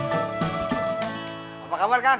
yang ramai tapi padaporsi dapet orang mana yang